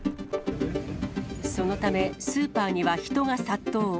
そのため、スーパーには人が殺到。